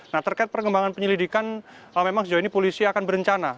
nah terkait perkembangan penyelidikan memang sejauh ini polisi akan berencana